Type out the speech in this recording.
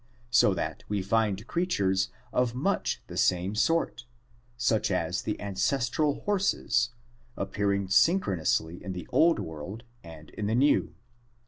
246) so that we find creatures of much the same sort, such as the ancestral horses, appearing synchronously in the Old World and in the New.